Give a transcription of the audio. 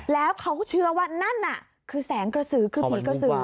แล้วเขาเชื่อว่านั่นน่ะคือแสงกระสือคือผีกระสือ